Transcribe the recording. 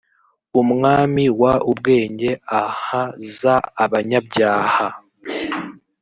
umwami w ubwenge ah za abanyabyaha